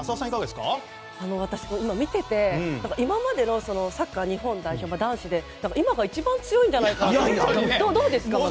私、見ていて今までのサッカー日本代表男子で今が一番強いんじゃないかと思いますがどうですか？